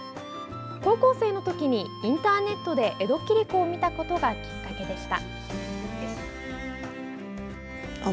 高校生の時にインターネットで江戸切子を見たことがきっかけでした。